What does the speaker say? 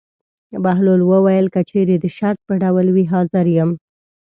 بهلول وویل: که چېرې د شرط په ډول وي حاضر یم.